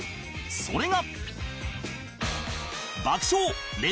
それが